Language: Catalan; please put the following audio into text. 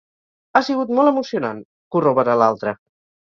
Ha sigut molt emocionant —corrobora l'altra.